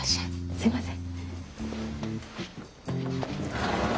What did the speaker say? すいません。